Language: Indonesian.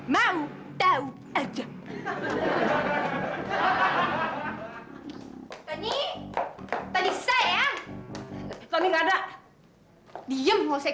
kalau tidak kamu bisa bunuh diri